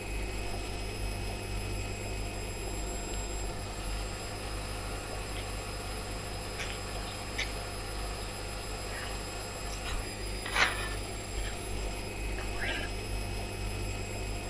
Prior to graduation, students are required to submit a thesis based on original research.